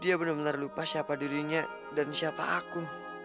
dia benar benar lupa siapa dirinya dan siapa aku